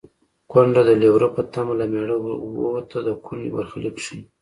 کونډه د لېوره په تمه له مېړه ووته د کونډې برخلیک ښيي